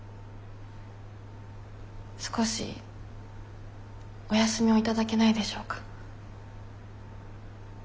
少しお休みを頂けないでしょうか？